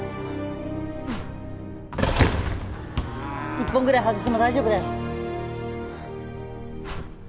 １本ぐらい外しても大丈夫だよ！